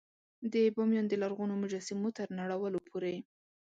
د بامیان د لرغونو مجسمو تر نړولو پورې.